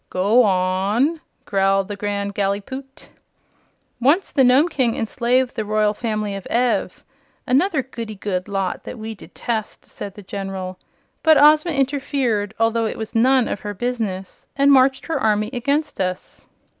"Go on!" growled the Grand Gallipoot. "Once the Nome King enslaved the Royal Family of Ev another goody goody lot that we detest," said the General. "But Ozma interfered, although it was none of her business, and marched her army against us.